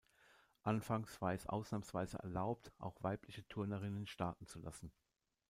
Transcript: Anfangs war es ausnahmsweise erlaubt, auch weibliche Turnerinnen starten zu lassen.